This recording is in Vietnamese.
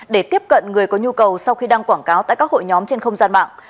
để tiếp cận người có nhu cầu sau khi đăng quảng cáo tại các hội nhóm trên không gian mạng